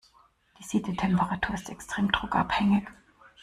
Die Siedetemperatur ist extrem druckabhängig.